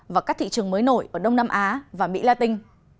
và các thị trường mới nổi ở đông nam á và mỹ latin